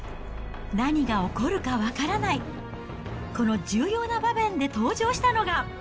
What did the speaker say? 何が起こるか分からない、この重要な場面で登場したのが。